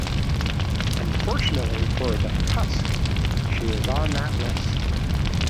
Unfortunately for the "Cusk", she was on that list.